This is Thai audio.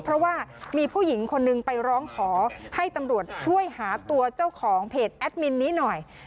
เพราะว่ามีผู้หญิงคนนึงไปร้องขอให้ตำรวจช่วยหาตัวเจ้าของเพจแอดมินนี้หน่อย